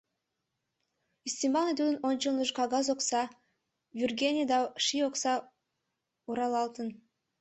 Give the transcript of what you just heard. Ӱстембалне тудын ончылныжо кагаз окса, вӱргене да ший окса оралалтын.